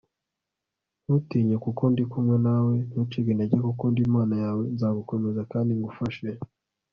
ntutinye, kuko ndi kumwe nawe. ntucike intege kuko ndi imana yawe. nzagukomeza kandi ngufashe